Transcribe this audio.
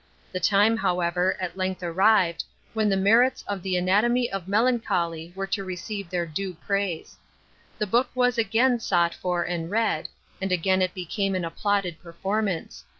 The time, however, at length arrived, when the merits of the Anatomy of Melancholy were to receive their due praise. The book was again sought for and read, and again it became an applauded performance.